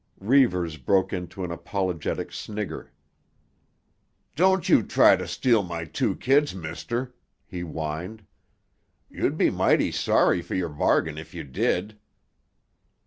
Reivers broke into an apologetic snigger. "Don't you try to steal my two kids, mister," he whined. "You'd be mighty sorry for your bargain if you did."